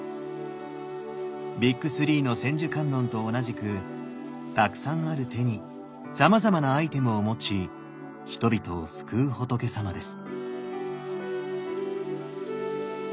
ビッグ３の千手観音と同じくたくさんある手にさまざまなアイテムを持ち人々を救う仏さまです。